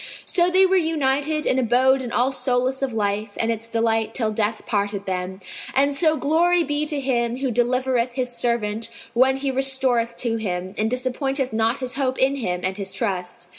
So they were united and abode in all solace of life and its delight till death parted them; and so glory be to Him who delivereth His servant when he restoreth to Him, and disappointeth not his hope in Him and his trust!